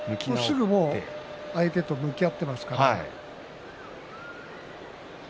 すぐに相手と向き直っていますから。